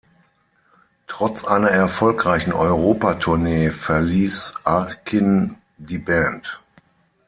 Trotz einer erfolgreichen Europa-Tournee verließ Arkin die Band.